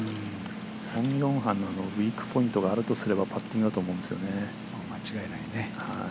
ソン・ヨンハンのウイークポイントがあるとすればパッティングだと思うんですよね。